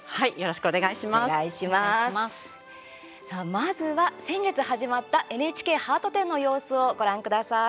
まずは先月始まったＮＨＫハート展の様子をご覧ください。